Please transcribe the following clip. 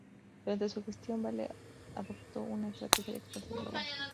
Durante su gestión, Vale adoptó una estrategia de expansión global.